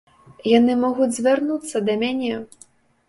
Яны могуць звярнуцца да мяне!